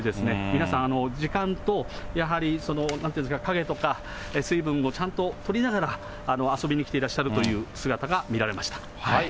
皆さん、時間とやはりなんて言うんですか、陰とか、水分をちゃんととりながら、遊びに来ていらっしゃるという姿が見られました。